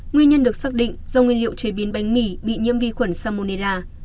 nguyên nhân được xác định do nguyên liệu chế biến bánh mì bị nhiễm vi khuẩn salmonella